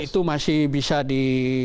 itu masih bisa di